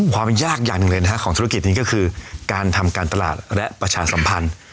ความยากอย่างหนึ่งเลยนะฮะของธุรกิจนี้ก็คือการทำการตลาดและประชาสัมพันธ์